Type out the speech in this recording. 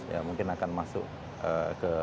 ya mungkin akan masuk ke